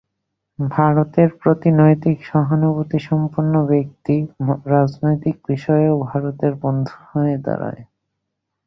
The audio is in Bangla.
ভারতের প্রতি নৈতিক সহানুভূতিসম্পন্ন ব্যক্তি রাজনৈতিক বিষয়েও ভারতের বন্ধু হয়ে দাঁড়ায়।